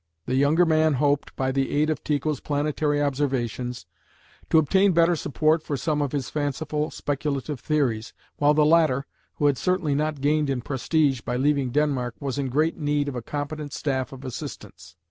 The younger man hoped, by the aid of Tycho's planetary observations, to obtain better support for some of his fanciful speculative theories, while the latter, who had certainly not gained in prestige by leaving Denmark, was in great need of a competent staff of assistants.